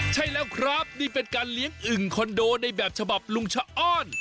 ใช่แล้วครับนี่เป็นการเลี้ยงอึ่งคอนโดในแบบฉบับลุงชะอ้อน